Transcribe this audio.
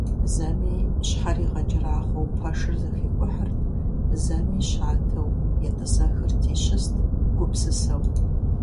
Зэми и щхьэр игъэкӀэрахъуэу пэшыр зэхикӀухьырт, зэми щатэу етӀысэхырти щыст гупсысэу.